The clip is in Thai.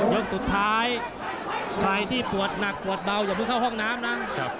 ยกสุดท้ายใครที่ปวดหนักปวดเบาอย่าเพิ่งเข้าห้องน้ำนะ